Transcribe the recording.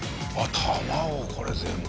これ全部。